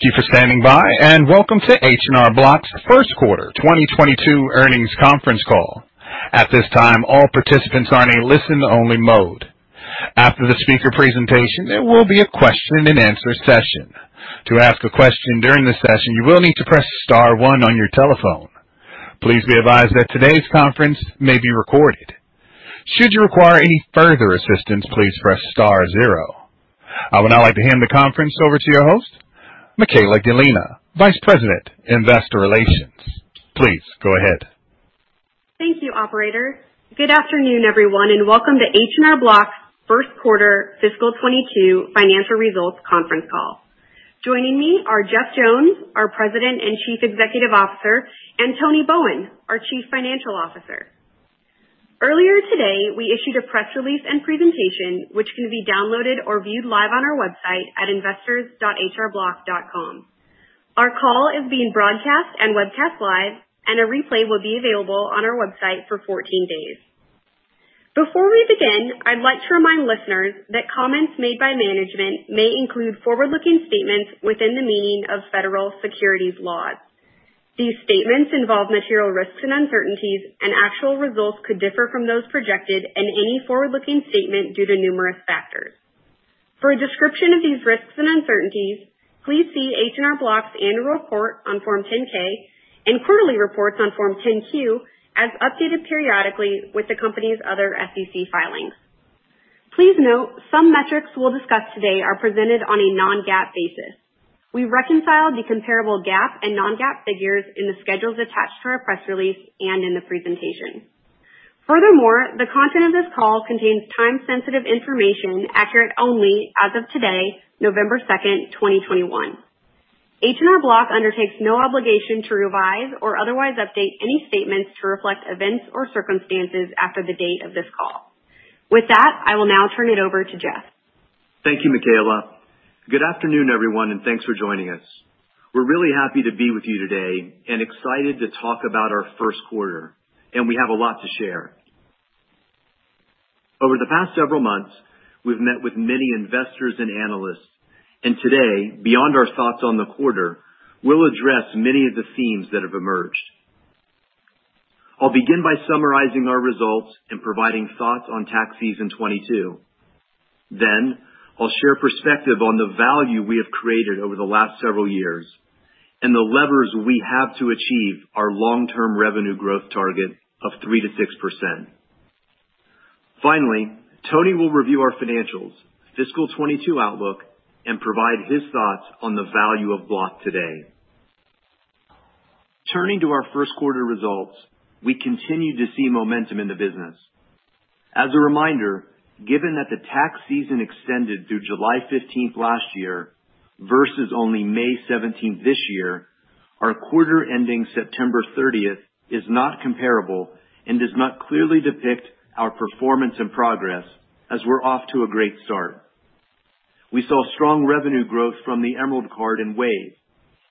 Thank you for standing by, and welcome to H&R Block's first quarter 2022 earnings conference call. At this time, all participants are in a listen only mode. After the speaker presentation, there will be a question and answer session. To ask a question during the session, you will need to press star one on your telephone. Please be advised that today's conference may be recorded. Should you require any further assistance, please press star zero. I would now like to hand the conference over to your host, Michaela Gallina, Vice President, Investor Relations. Please go ahead. Thank you, operator. Good afternoon, everyone, and welcome to H&R Block's first quarter fiscal 2022 financial results conference call. Joining me are Jeff Jones, our President and Chief Executive Officer, and Tony Bowen, our Chief Financial Officer. Earlier today, we issued a press release and presentation which can be downloaded or viewed live on our website at investors.hrblock.com. Our call is being broadcast and webcast live, and a replay will be available on our website for 14 days. Before we begin, I'd like to remind listeners that comments made by management may include forward-looking statements within the meaning of federal securities laws. These statements involve material risks and uncertainties, and actual results could differ from those projected in any forward-looking statement due to numerous factors. For a description of these risks and uncertainties, please see H&R Block's annual report on Form 10-K and quarterly reports on Form 10-Q, as updated periodically with the company's other SEC filings. Please note, some metrics we'll discuss today are presented on a non-GAAP basis. We reconcile the comparable GAAP and non-GAAP figures in the schedules attached to our press release and in the presentation. Furthermore, the content of this call contains time-sensitive information accurate only as of today, November 2nd, 2021. H&R Block undertakes no obligation to revise or otherwise update any statements to reflect events or circumstances after the date of this call. With that, I will now turn it over to Jeff. Thank you, Michaela. Good afternoon, everyone, and thanks for joining us. We're really happy to be with you today and excited to talk about our first quarter, and we have a lot to share. Over the past several months, we've met with many investors and analysts, and today, beyond our thoughts on the quarter, we'll address many of the themes that have emerged. I'll begin by summarizing our results and providing thoughts on tax season 2022. Then I'll share perspective on the value we have created over the last several years and the levers we have to achieve our long-term revenue growth target of 3%-6%. Finally, Tony will review our financials, fiscal 2022 outlook, and provide his thoughts on the value of Block today. Turning to our first quarter results, we continue to see momentum in the business. As a reminder, given that the tax season extended through July 15th last year versus only May 17th this year, our quarter ending September 30th is not comparable and does not clearly depict our performance and progress as we're off to a great start. We saw strong revenue growth from the Emerald Card and Wave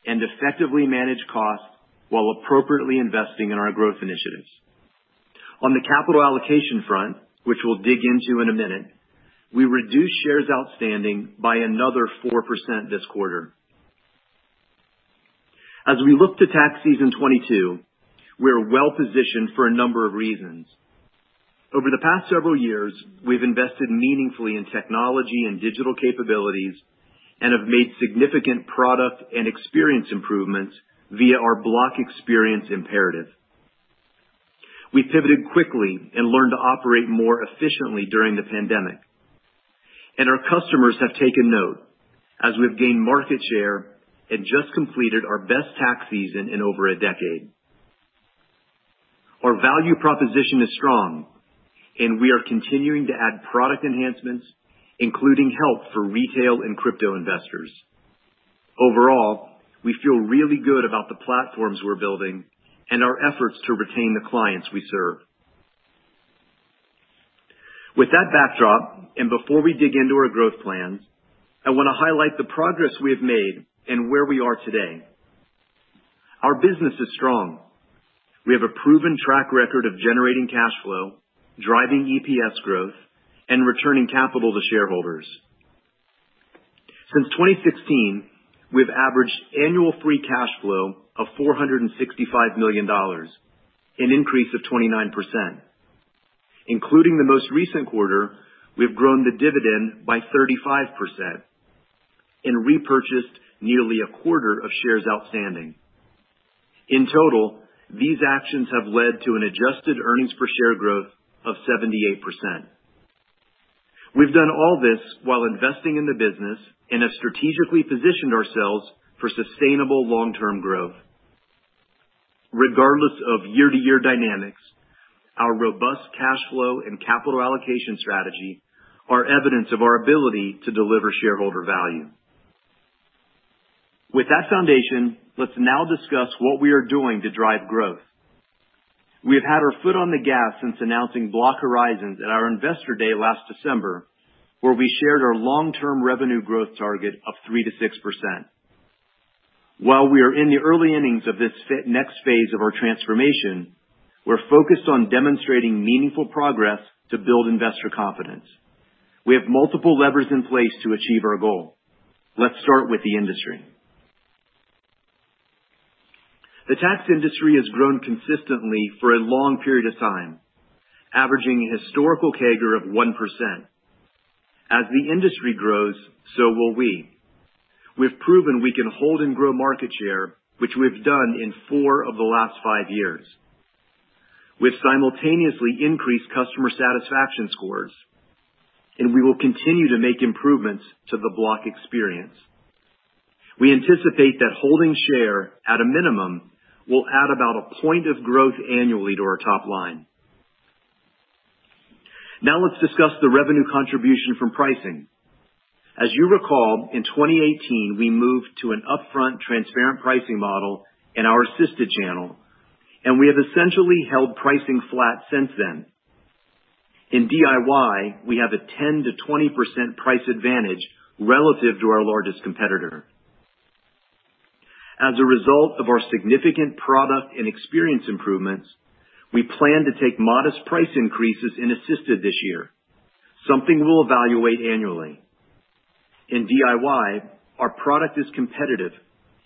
and effectively managed costs while appropriately investing in our growth initiatives. On the capital allocation front, which we'll dig into in a minute, we reduced shares outstanding by another 4% this quarter. As we look to tax season 2022, we're well positioned for a number of reasons. Over the past several years, we've invested meaningfully in technology and digital capabilities and have made significant product and experience improvements via our Block Experience imperative. We pivoted quickly and learned to operate more efficiently during the pandemic, and our customers have taken note as we've gained market share and just completed our best tax season in over a decade. Our value proposition is strong and we are continuing to add product enhancements, including help for retail and crypto investors. Overall, we feel really good about the platforms we're building and our efforts to retain the clients we serve. With that backdrop, and before we dig into our growth plans, I want to highlight the progress we have made and where we are today. Our business is strong. We have a proven track record of generating cash flow, driving EPS growth, and returning capital to shareholders. Since 2016, we have averaged annual free cash flow of $465 million, an increase of 29%. Including the most recent quarter, we've grown the dividend by 35% and repurchased nearly a quarter of shares outstanding. In total, these actions have led to an adjusted earnings per share growth of 78%. We've done all this while investing in the business and have strategically positioned ourselves for sustainable long-term growth. Regardless of year-to-year dynamics, our robust cash flow and capital allocation strategy are evidence of our ability to deliver shareholder value. With that foundation, let's now discuss what we are doing to drive growth. We have had our foot on the gas since announcing Block Horizons at our Investor Day last December, where we shared our long-term revenue growth target of 3%-6%. While we are in the early innings of this next phase of our transformation, we're focused on demonstrating meaningful progress to build investor confidence. We have multiple levers in place to achieve our goal. Let's start with the industry. The tax industry has grown consistently for a long period of time, averaging a historical CAGR of 1%. As the industry grows, so will we. We've proven we can hold and grow market share, which we've done in four of the last five years. We've simultaneously increased customer satisfaction scores, and we will continue to make improvements to the Block Experience. We anticipate that holding share at a minimum will add about a point of growth annually to our top line. Now let's discuss the revenue contribution from pricing. As you recall, in 2018, we moved to an upfront transparent pricing model in our assisted channel, and we have essentially held pricing flat since then. In DIY, we have a 10%-20% price advantage relative to our largest competitor. As a result of our significant product and experience improvements, we plan to take modest price increases in assisted this year, something we'll evaluate annually. In DIY, our product is competitive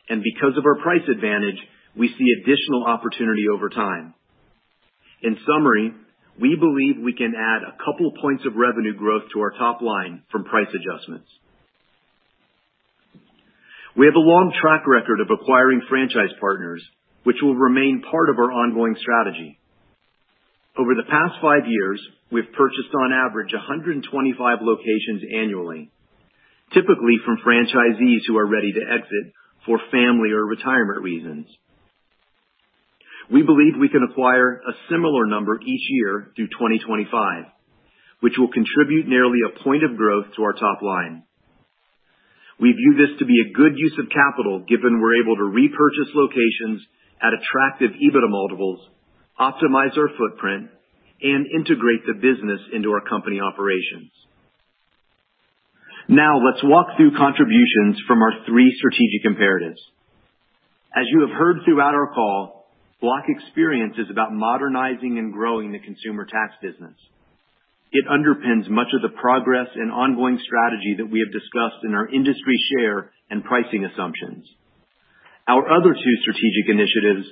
and because of our price advantage, we see additional opportunity over time. In summary, we believe we can add a couple points of revenue growth to our top line from price adjustments. We have a long track record of acquiring franchise partners, which will remain part of our ongoing strategy. Over the past five years, we've purchased on average 125 locations annually, typically from franchisees who are ready to exit for family or retirement reasons. We believe we can acquire a similar number each year through 2025, which will contribute nearly a point of growth to our top line. We view this to be a good use of capital, given we're able to repurchase locations at attractive EBITDA multiples, optimize our footprint, and integrate the business into our company operations. Now let's walk through contributions from our three strategic imperatives. As you have heard throughout our call, Block Experience is about modernizing and growing the consumer tax business. It underpins much of the progress and ongoing strategy that we have discussed in our industry share and pricing assumptions. Our other two strategic initiatives,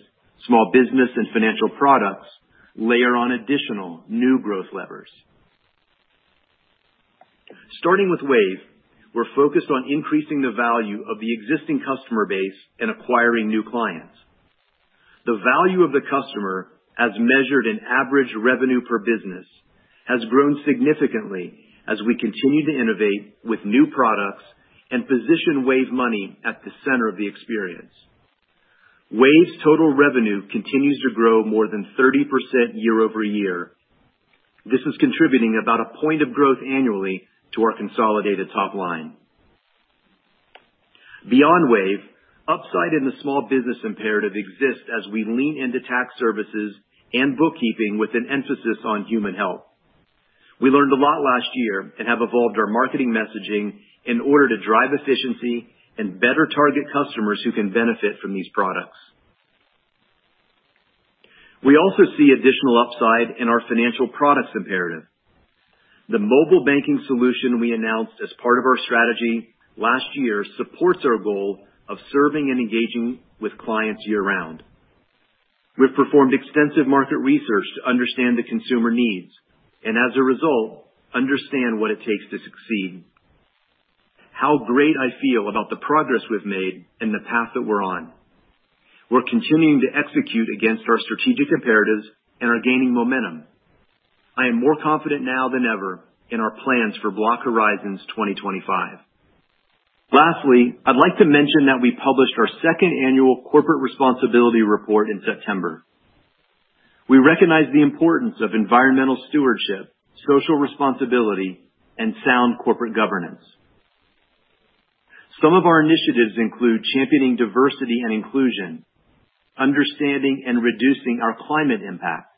small business and financial products, layer on additional new growth levers. Starting with Wave, we're focused on increasing the value of the existing customer base and acquiring new clients. The value of the customer, as measured in average revenue per business, has grown significantly as we continue to innovate with new products and position Wave Money at the center of the experience. Wave's total revenue continues to grow more than 30% year-over-year. This is contributing about a point of growth annually to our consolidated top line. Beyond Wave, upside in the small business imperative exists as we lean into tax services and bookkeeping with an emphasis on human help. We learned a lot last year and have evolved our marketing messaging in order to drive efficiency and better target customers who can benefit from these products. We also see additional upside in our financial products imperative. The mobile banking solution we announced as part of our strategy last year supports our goal of serving and engaging with clients year round. We've performed extensive market research to understand the consumer needs and as a result, understand what it takes to succeed. How great I feel about the progress we've made and the path that we're on. We're continuing to execute against our strategic imperatives and are gaining momentum. I am more confident now than ever in our plans for Block Horizons 2025. Lastly, I'd like to mention that we published our second annual corporate responsibility report in September. We recognize the importance of environmental stewardship, social responsibility, and sound corporate governance. Some of our initiatives include championing diversity and inclusion, understanding and reducing our climate impact,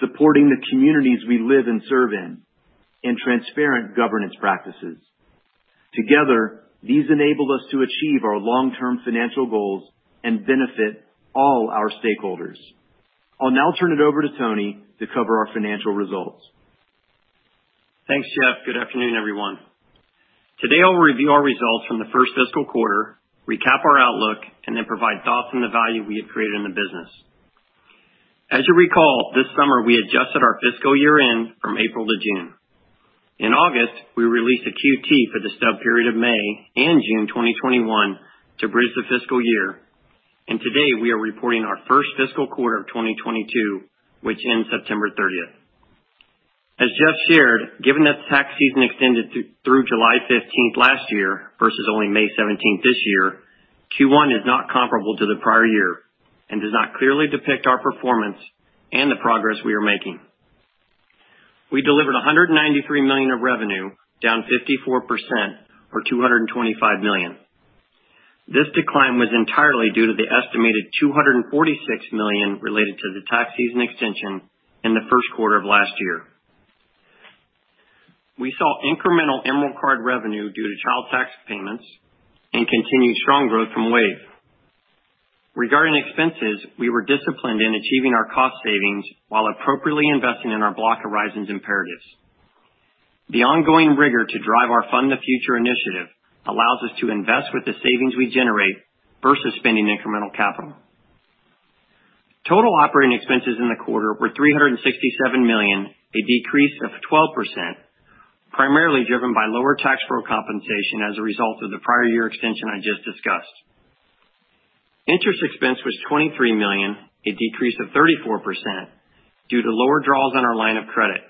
supporting the communities we live and serve in, and transparent governance practices. Together, these enable us to achieve our long term financial goals and benefit all our stakeholders. I'll now turn it over to Tony to cover our financial results. Thanks, Jeff. Good afternoon, everyone. Today, I'll review our results from the first fiscal quarter, recap our outlook, and then provide thoughts on the value we have created in the business. As you recall, this summer we adjusted our fiscal year-end from April to June. In August, we released a QT for the stub period of May and June 2021 to bridge the fiscal year. Today we are reporting our first fiscal quarter of 2022, which ends September thirtieth. As Jeff shared, given that the tax season extended through July fifteenth last year versus only May seventeenth this year, Q1 is not comparable to the prior year and does not clearly depict our performance and the progress we are making. We delivered $193 million of revenue, down 54% or $225 million. This decline was entirely due to the estimated $246 million related to the tax season extension in the first quarter of last year. We saw incremental Emerald Card revenue due to child tax payments and continued strong growth from Wave. Regarding expenses, we were disciplined in achieving our cost savings while appropriately investing in our Block Horizons imperatives. The ongoing rigor to drive our Fund the Future initiative allows us to invest with the savings we generate versus spending incremental capital. Total operating expenses in the quarter were $367 million, a decrease of 12%, primarily driven by lower tax pro compensation as a result of the prior year extension I just discussed. Interest expense was $23 million, a decrease of 34% due to lower draws on our line of credit.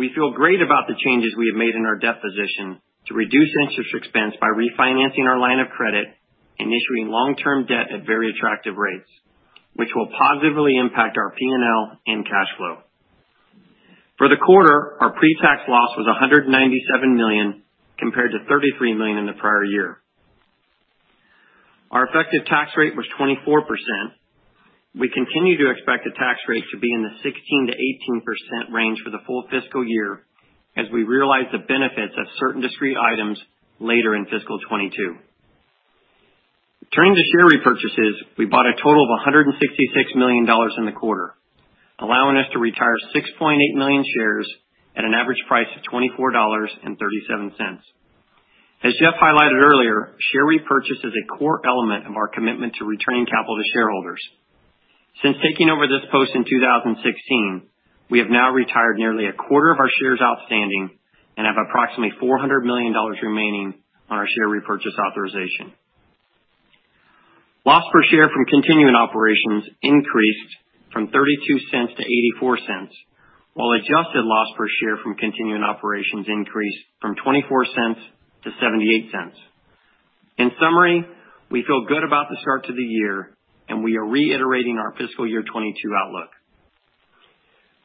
We feel great about the changes we have made in our debt position to reduce interest expense by refinancing our line of credit and issuing long-term debt at very attractive rates, which will positively impact our P&L and cash flow. For the quarter, our pretax loss was $197 million compared to $33 million in the prior year. Our effective tax rate was 24%. We continue to expect the tax rate to be in the 16%-18% range for the full fiscal year as we realize the benefits of certain discrete items later in fiscal 2022. Turning to share repurchases, we bought a total of $166 million in the quarter, allowing us to retire 6.8 million shares at an average price of $24.37. As Jeff highlighted earlier, share repurchase is a core element of our commitment to returning capital to shareholders. Since taking over this post in 2016, we have now retired nearly a quarter of our shares outstanding and have approximately $400 million remaining on our share repurchase authorization. Loss per share from continuing operations increased from $0.32 to $0.84, while adjusted loss per share from continuing operations increased from $0.24 to $0.78. In summary, we feel good about the start to the year, and we are reiterating our fiscal year 2022 outlook.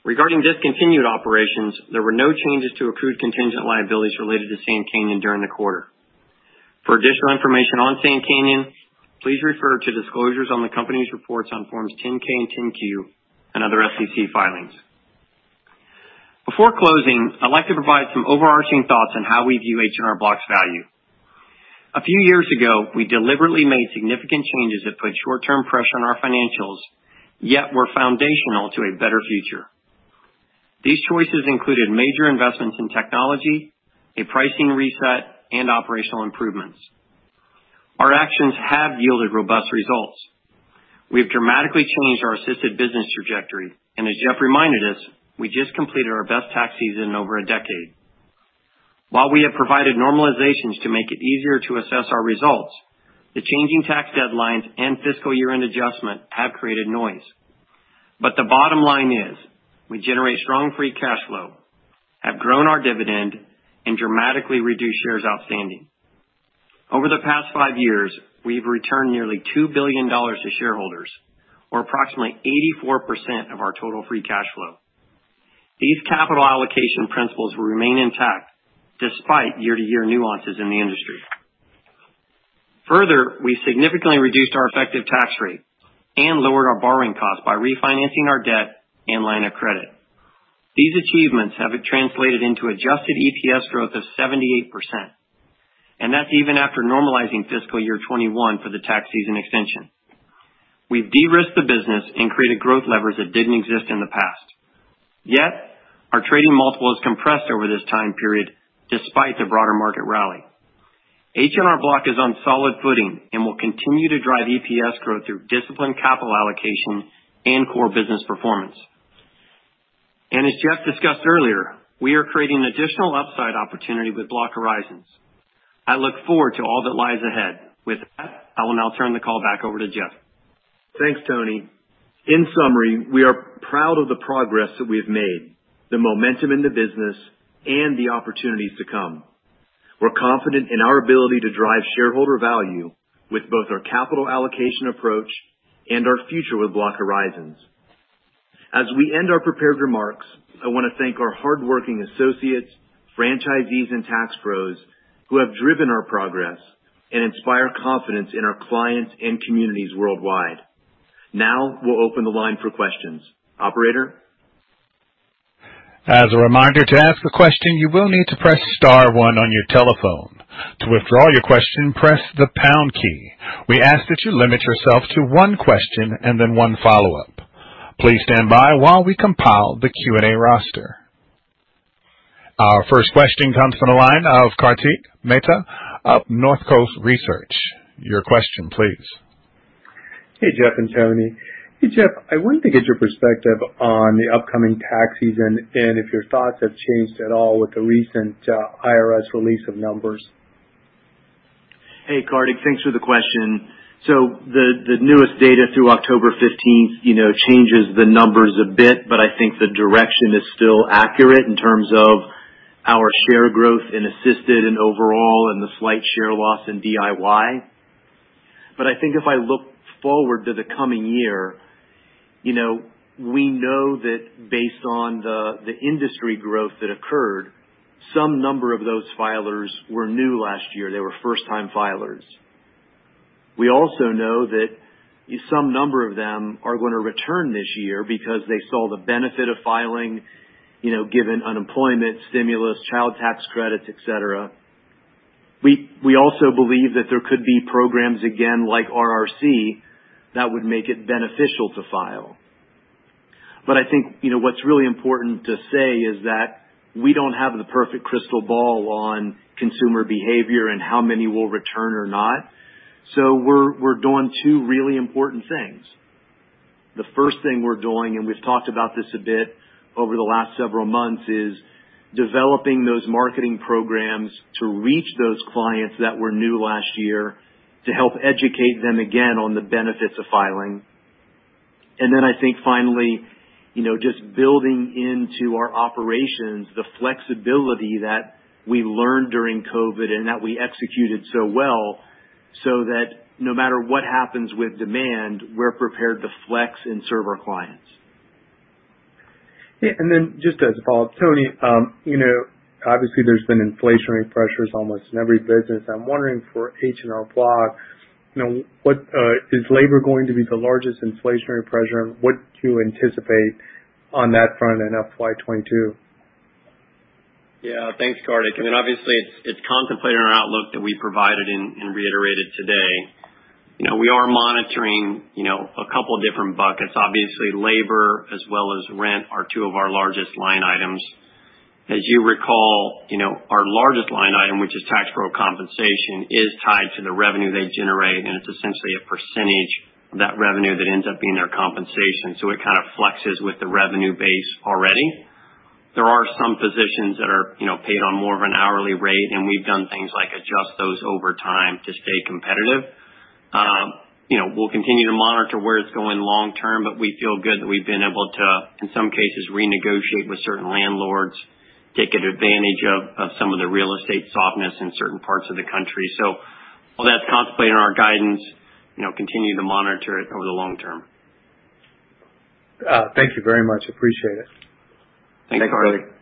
Regarding discontinued operations, there were no changes to accrued contingent liabilities related to Sand Canyon during the quarter. For additional information on Sand Canyon, please refer to disclosures on the company's reports on Forms 10-K and 10-Q and other SEC filings. Before closing, I'd like to provide some overarching thoughts on how we view H&R Block's value. A few years ago, we deliberately made significant changes that put short-term pressure on our financials, yet were foundational to a better future. These choices included major investments in technology, a pricing reset, and operational improvements. Our actions have yielded robust results. We've dramatically changed our assisted business trajectory, and as Jeff reminded us, we just completed our best tax season in over a decade. While we have provided normalizations to make it easier to assess our results, the changing tax deadlines and fiscal year-end adjustment have created noise. The bottom line is we generate strong free cash flow, have grown our dividend, and dramatically reduced shares outstanding. Over the past five years, we've returned nearly $2 billion to shareholders, or approximately 84% of our total free cash flow. These capital allocation principles will remain intact despite year-to-year nuances in the industry. Further, we significantly reduced our effective tax rate and lowered our borrowing costs by refinancing our debt and line of credit. These achievements have translated into adjusted EPS growth of 78%, and that's even after normalizing fiscal year 2021 for the tax season extension. We've de-risked the business and created growth levers that didn't exist in the past. Yet, our trading multiple has compressed over this time period despite the broader market rally. H&R Block is on solid footing and will continue to drive EPS growth through disciplined capital allocation and core business performance. As Jeff discussed earlier, we are creating additional upside opportunity with Block Horizons. I look forward to all that lies ahead. With that, I will now turn the call back over to Jeff. Thanks, Tony. In summary, we are proud of the progress that we have made, the momentum in the business, and the opportunities to come. We're confident in our ability to drive shareholder value with both our capital allocation approach and our future with Block Horizons. As we end our prepared remarks, I want to thank our hardworking associates, franchisees and tax pros who have driven our progress and inspire confidence in our clients and communities worldwide. Now we'll open the line for questions. Operator? As a reminder, to ask a question, you will need to press star one on your telephone. To withdraw your question, press the pound key. We ask that you limit yourself to one question and then one follow-up. Please stand by while we compile the Q&A roster. Our first question comes from the line of Kartik Mehta of Northcoast Research. Your question, please. Hey, Jeff and Tony. Hey, Jeff, I wanted to get your perspective on the upcoming tax season and if your thoughts have changed at all with the recent IRS release of numbers? Hey, Kartik, thanks for the question. The newest data through October fifteenth, you know, changes the numbers a bit, but I think the direction is still accurate in terms of our share growth in Assisted and overall and the slight share loss in DIY. I think if I look forward to the coming year, you know, we know that based on the industry growth that occurred, some number of those filers were new last year. They were first-time filers. We also know that some number of them are gonna return this year because they saw the benefit of filing, you know, given unemployment, stimulus, child tax credits, et cetera. We also believe that there could be programs again like RRC that would make it beneficial to file. I think, you know, what's really important to say is that we don't have the perfect crystal ball on consumer behavior and how many will return or not. We're doing two really important things. The first thing we're doing, and we've talked about this a bit over the last several months, is developing those marketing programs to reach those clients that were new last year to help educate them again on the benefits of filing. Then I think finally, you know, just building into our operations the flexibility that we learned during COVID and that we executed so well so that no matter what happens with demand, we're prepared to flex and serve our clients. Yeah. Just as a follow-up, Tony, you know, obviously there's been inflationary pressures almost in every business. I'm wondering for H&R Block, you know, what is labor going to be the largest inflationary pressure? What do you anticipate on that front in FY 2022? Yeah. Thanks, Kartik. I mean, obviously it's contemplated in our outlook that we provided and reiterated today. You know, we are monitoring, you know, a couple different buckets. Obviously, labor as well as rent are two of our largest line items. As you recall, you know, our largest line item, which is tax pro compensation, is tied to the revenue they generate, and it's essentially a percentage of that revenue that ends up being their compensation, so it kind of flexes with the revenue base already. There are some positions that are, you know, paid on more of an hourly rate, and we've done things like adjust those over time to stay competitive. You know, we'll continue to monitor where it's going long term, but we feel good that we've been able to, in some cases, renegotiate with certain landlords, take advantage of some of the real estate softness in certain parts of the country. All that's contemplated in our guidance, you know, continue to monitor it over the long term. Thank you very much. Appreciate it. Thanks, Kartik. Thanks.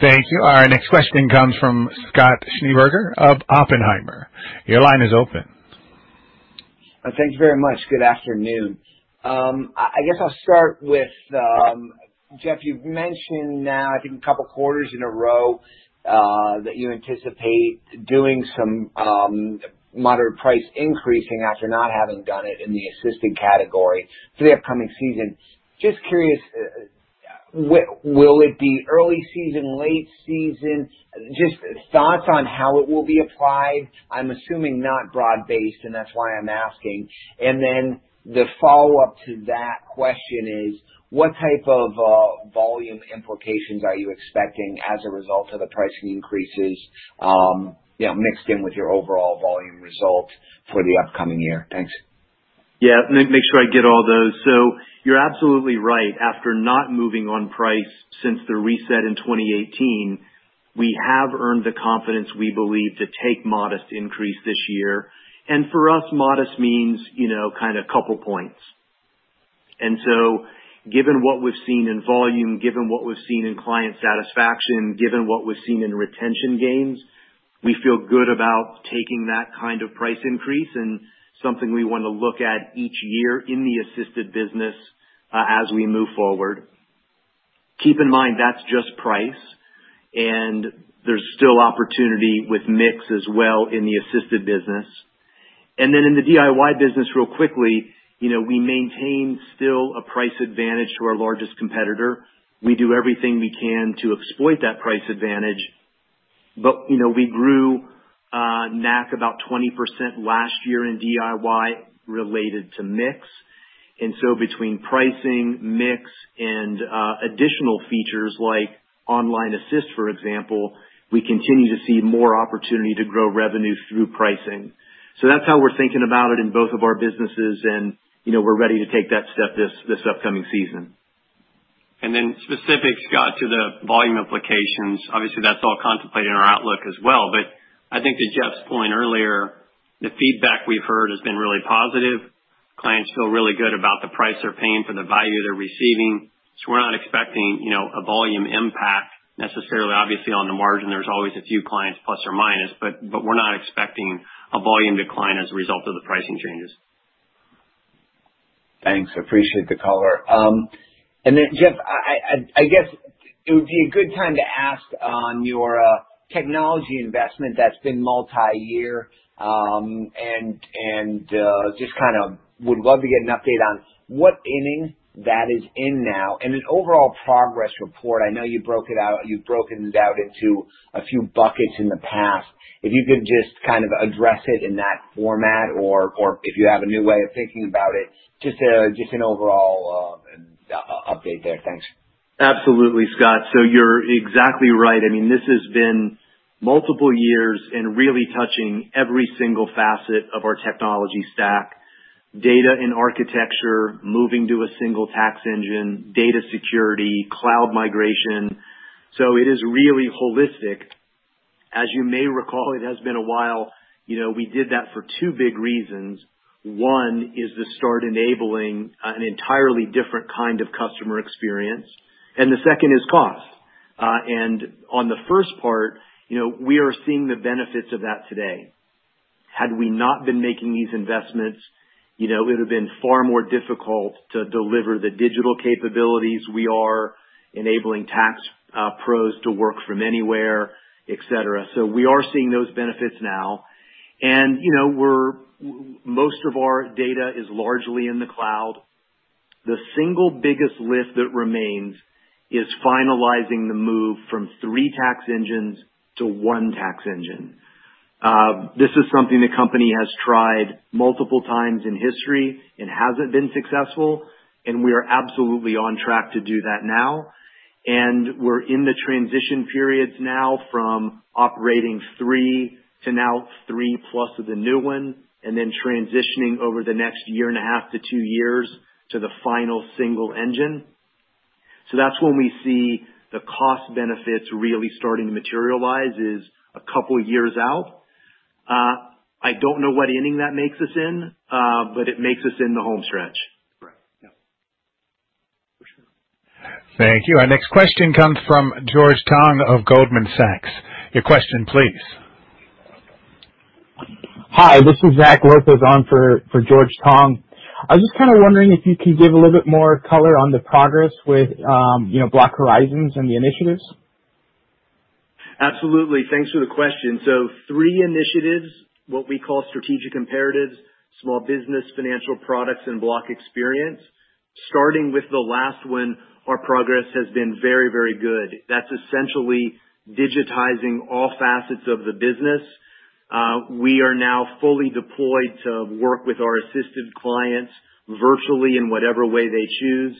Thank you. Our next question comes from Scott Schneeberger of Oppenheimer. Your line is open. Thank you very much. Good afternoon. I guess I'll start with, Jeff, you've mentioned now I think a couple quarters in a row, that you anticipate doing some moderate price increasing after not having done it in the assisted category for the upcoming season. Just curious, will it be early season, late season? Just thoughts on how it will be applied. I'm assuming not broad-based, and that's why I'm asking. The follow-up to that question is what type of volume implications are you expecting as a result of the pricing increases, you know, mixed in with your overall volume results for the upcoming year? Thanks. Yeah. Let me make sure I get all those. You're absolutely right. After not moving on price since the reset in 2018, we have earned the confidence we believe to take modest increase this year. For us, modest means, you know, kinda couple points. Given what we've seen in volume, given what we've seen in client satisfaction, given what we've seen in retention gains, we feel good about taking that kind of price increase and something we wanna look at each year in the assisted business, as we move forward. Keep in mind, that's just price and there's still opportunity with mix as well in the assisted business. Then in the DIY business real quickly, you know, we maintain still a price advantage to our largest competitor. We do everything we can to exploit that price advantage. You know, we grew NAC about 20% last year in DIY related to mix. Between pricing, mix and additional features like Online Assist, for example, we continue to see more opportunity to grow revenue through pricing. That's how we're thinking about it in both of our businesses and, you know, we're ready to take that step this upcoming season. Specific, Scott, to the volume implications, obviously that's all contemplated in our outlook as well, but I think to Jeff's point earlier, the feedback we've heard has been really positive. Clients feel really good about the price they're paying for the value they're receiving. We're not expecting, you know, a volume impact necessarily. Obviously on the margin there's always a few clients plus or minus, but we're not expecting a volume decline as a result of the pricing changes. Thanks. Appreciate the color. Jeff, I guess it would be a good time to ask on your technology investment that's been multi-year. Just kinda would love to get an update on what inning that is in now and an overall progress report. I know you've broken it out into a few buckets in the past. If you could just kind of address it in that format or if you have a new way of thinking about it, just an overall update there. Thanks. Absolutely, Scott. You're exactly right. I mean, this has been multiple years and really touching every single facet of our technology stack, data and architecture, moving to a single tax engine, data security, cloud migration. It is really holistic. As you may recall, it has been a while. You know, we did that for two big reasons. One is to start enabling an entirely different kind of customer experience, and the second is cost, and on the first part, you know, we are seeing the benefits of that today. Had we not been making these investments, you know, it would have been far more difficult to deliver the digital capabilities. We are enabling tax pros to work from anywhere, et cetera. We are seeing those benefits now. You know, most of our data is largely in the cloud. The single biggest lift that remains is finalizing the move from three tax engines to one tax engine. This is something the company has tried multiple times in history and hasn't been successful, and we are absolutely on track to do that now. We're in the transition periods now from operating three to now 3+ with the new one, and then transitioning over the next year and a half to two years to the final single engine. That's when we see the cost benefits really starting to materialize is a couple of years out. I don't know what inning that makes us in, but it makes us in the home stretch. Thank you. Our next question comes from George Tong of Goldman Sachs. Your question, please. Hi, this is Zachary Lopez on for George Tong. I was just kind of wondering if you can give a little bit more color on the progress with, you know, Block Horizons and the initiatives. Absolutely. Thanks for the question. Three initiatives, what we call strategic imperatives, Small Business, Financial Products, and Block Experience. Starting with the last one, our progress has been very, very good. That's essentially digitizing all facets of the business. We are now fully deployed to work with our assisted clients virtually in whatever way they choose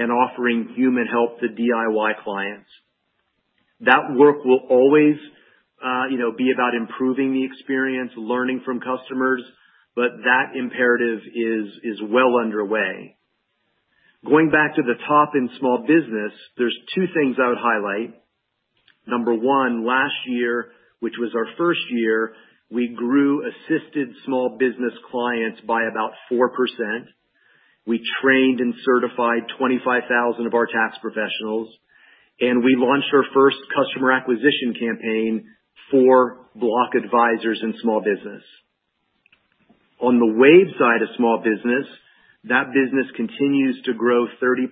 and offering human help to DIY clients. That work will always, you know, be about improving the experience, learning from customers, but that imperative is well underway. Going back to the top in Small Business, there's two things I would highlight. Number one, last year, which was our first year, we grew assisted Small Business clients by about 4%. We trained and certified 25,000 of our tax professionals, and we launched our first customer acquisition campaign for Block Advisors in Small Business. On the Wave side of small business, that business continues to grow 30%+,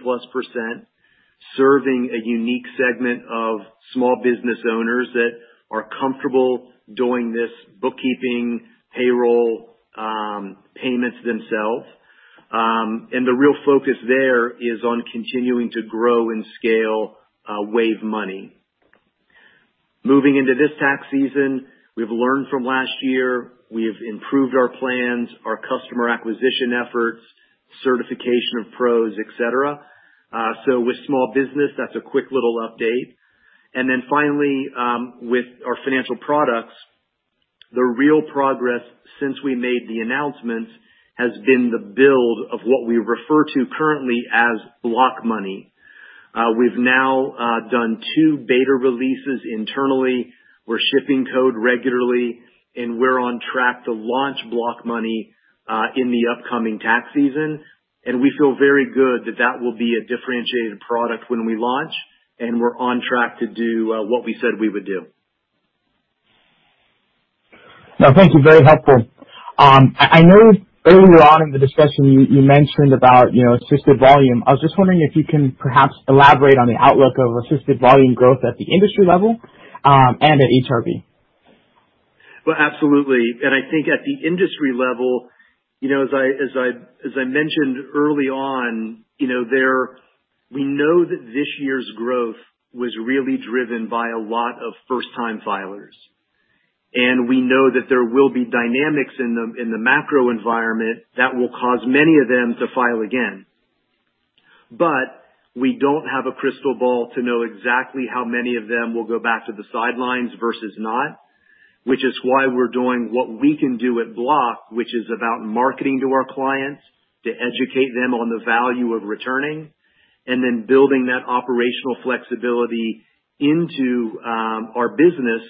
serving a unique segment of small business owners that are comfortable doing this bookkeeping, payroll, payments themselves. The real focus there is on continuing to grow and scale Wave Money. Moving into this tax season, we've learned from last year, we've improved our plans, our customer acquisition efforts, certification of pros, et cetera. With small business, that's a quick little update. Finally, with our financial products, the real progress since we made the announcements has been the build of what we refer to currently as Block Money. We've now done two beta releases internally. We're shipping code regularly, and we're on track to launch Block Money in the upcoming tax season. We feel very good that that will be a differentiated product when we launch, and we're on track to do what we said we would do. No, thank you. Very helpful. I know earlier on in the discussion you mentioned about, you know, assisted volume. I was just wondering if you can perhaps elaborate on the outlook of assisted volume growth at the industry level, and at HRB. Well, absolutely. I think at the industry level, you know, as I mentioned early on, you know, we know that this year's growth was really driven by a lot of first-time filers. We know that there will be dynamics in the macro environment that will cause many of them to file again. We don't have a crystal ball to know exactly how many of them will go back to the sidelines versus not, which is why we're doing what we can do at Block, which is about marketing to our clients to educate them on the value of returning, and then building that operational flexibility into our business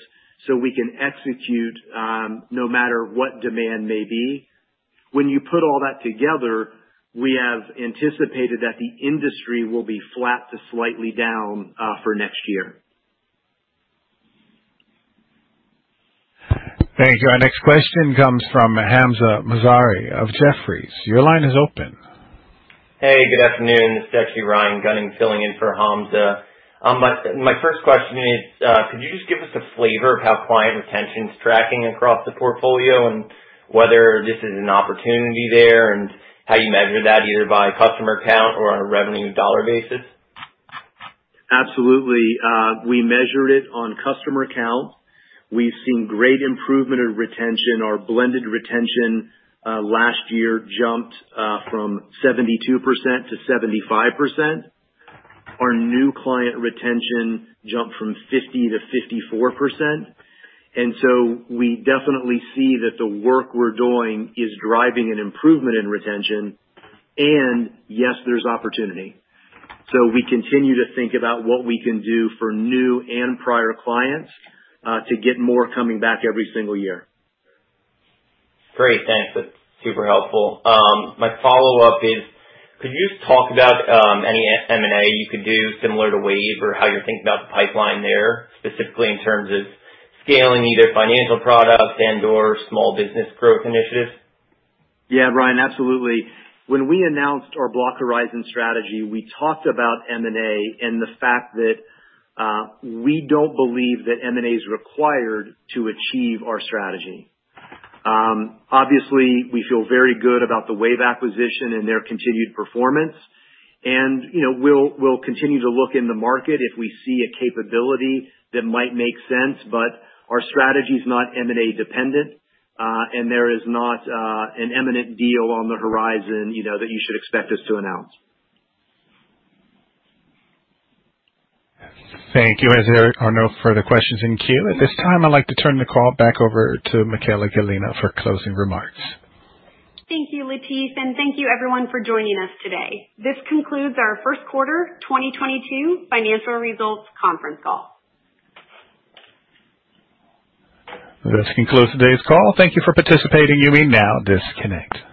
so we can execute no matter what demand may be. When you put all that together, we have anticipated that the industry will be flat to slightly down for next year. Thank you. Our next question comes from Hamzah Mazari of Jefferies. Your line is open. Hey, good afternoon. This is actually Ryan Gunning filling in for Hamzah Mazari. My first question is, could you just give us a flavor of how client retention is tracking across the portfolio and whether this is an opportunity there and how you measure that, either by customer count or on a revenue dollar basis? Absolutely. We measured it on customer count. We've seen great improvement in retention. Our blended retention last year jumped from 72% to 75%. Our new client retention jumped from 50% to 54%. We definitely see that the work we're doing is driving an improvement in retention. Yes, there's opportunity. We continue to think about what we can do for new and prior clients to get more coming back every single year. Great. Thanks. That's super helpful. My follow-up is, could you just talk about any M&A you could do similar to Wave or how you're thinking about the pipeline there, specifically in terms of scaling either financial products and/or small business growth initiatives? Yeah, Ryan, absolutely. When we announced our Block Horizons strategy, we talked about M&A and the fact that, we don't believe that M&A is required to achieve our strategy. Obviously, we feel very good about the Wave acquisition and their continued performance. You know, we'll continue to look in the market if we see a capability that might make sense. Our strategy is not M&A dependent, and there is not an imminent deal on the horizon, you know, that you should expect us to announce. Thank you. As there are no further questions in queue at this time, I'd like to turn the call back over to Michaela Gallina for closing remarks. Thank you, Latif, and thank you everyone for joining us today. This concludes our first quarter 2022 financial results conference call. This concludes today's call. Thank you for participating. You may now disconnect.